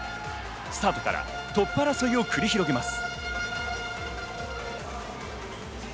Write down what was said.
スタートからトップ争いを繰り広げます。